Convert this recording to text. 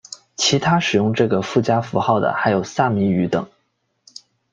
其他使用这个附加符号的还有萨米语等。